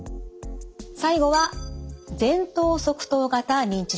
最後は前頭側頭型認知症です。